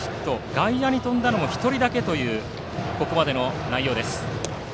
外野に飛んだのも１人だけというここまでの内容。